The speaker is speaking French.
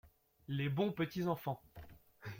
Les bons petits enfants.